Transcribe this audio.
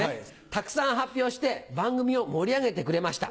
「たくさん発表して番組をもりあげてくれました。